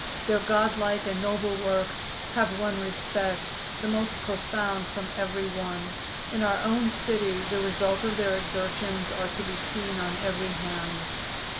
"Their God like and noble works have won respect, the most profound from every one. In our own city the result of their exertions are to be seen on every hand.